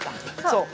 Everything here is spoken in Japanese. そう。